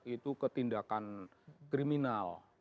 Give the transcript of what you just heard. itu ketindakan kriminal